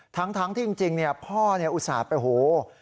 ทั้งที่จริงพ่อเนี่ยอุตส่าห์ไปหู